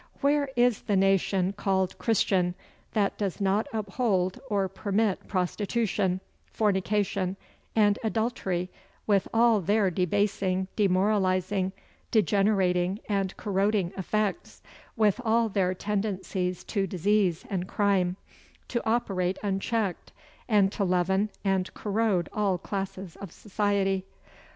Where is the nation called "Christian," that does not uphold or permit prostitution, fornication and adultery with all their debasing, demoralizing, degenerating and corroding effects, with all their tendencies to disease and crime, to operate unchecked, and to leaven and corrode all classes of society?